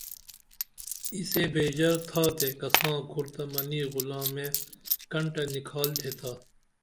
ای سے بیژر تھاتے کسا کُھر تہ منی غُلامے کنٹہ نِکھالتھے تا